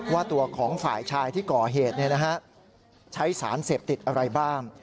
ว่าตัวของฝ่ายชายที่ก่อเหตุใช้สารเสพติดอะไรบ้าง